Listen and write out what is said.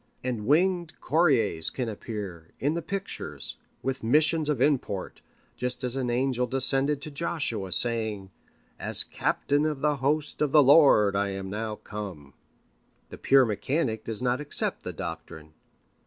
And winged couriers can appear, in the pictures, with missions of import, just as an angel descended to Joshua, saying, "As captain of the host of the Lord am I now come." The pure mechanic does not accept the doctrine.